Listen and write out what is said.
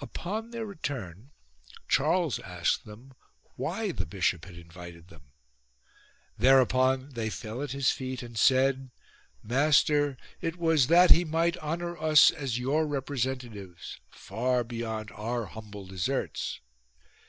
Upon their return Charles asked them why the bishop had invited them. Thereupon they fell at his feet and said :" Master, it was that he might honour us as your representatives, far beyond our humble deserts."